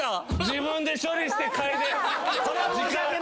自分で処理して嗅いで。